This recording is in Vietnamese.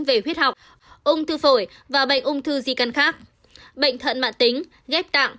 về huyết học ung thư phổi và bệnh ung thư di căn khác bệnh thận mạng tính ghép tạng